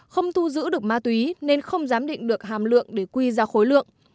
không thu giữ được ma túy nên không giám định được hàm lượng để quy ra khối lượng